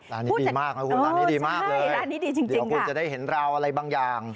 อ๋อร้านนี้ดีมากเลยเดี๋ยวคุณจะได้เห็นราวอะไรบางอย่าง